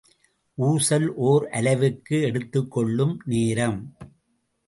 ஊசல் ஒர் அலைவுக்கு எடுத்துக் கொள்ளும் நேரம்.